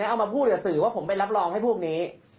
เอามาพูดกับสื่อว่าผมไปรับรองให้พวกนี้